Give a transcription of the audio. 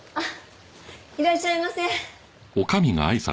いらっしゃいませ。